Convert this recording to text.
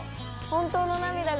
本当の涙だ